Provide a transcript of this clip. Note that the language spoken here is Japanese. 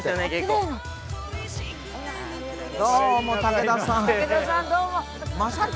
どうも武田さん。